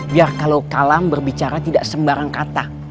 biar kalau kalam berbicara tidak sembarang kata